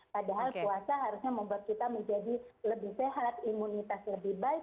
padahal puasa harusnya membuat kita menjadi lebih sehat imunitas lebih baik